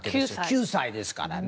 ９歳ですからね。